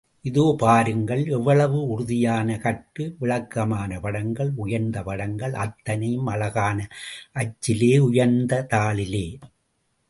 இதோ பாருங்கள் எவ்வளவு உறுதியான கட்டு, விளக்கமான படங்கள், உயர்ந்த படங்கள் அத்தனையும் அழகான அச்சிலே உயர்ந்த தாளிலே.